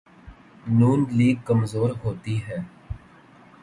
ن لیگ کمزور ہوتی ہے۔